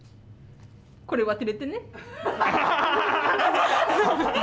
これ、忘れてね？